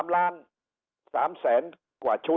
๓ล้าน๓แสนกว่าชุด